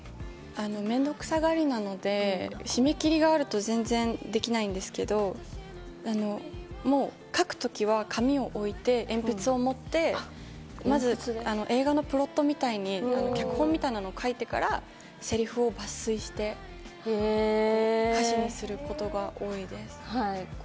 面倒くさがりなので締め切りがあると全然できないんですけど、もう書く時は紙を置いて、鉛筆をもって、まず映画のプロットみたいに脚本みたいなのを書いてから、せりふを抜粋して歌詞にすることが多いです。